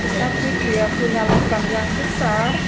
saya juga menghindar